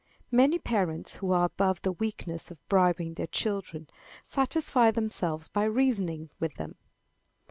Many parents, who are above the weakness of bribing their children, satisfy themselves by reasoning with them.